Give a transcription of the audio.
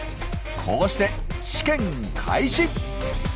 こうして試験開始！